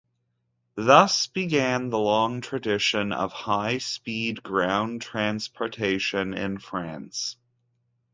Thus began the long tradition of high-speed ground transportation in France.